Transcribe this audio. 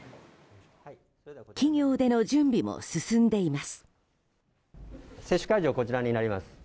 企業での準備も進んでいます。